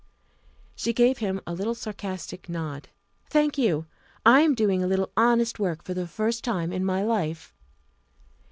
She gave him a little sarcastic nod. "Thank you. I am doing a little honest work for the first time in my life."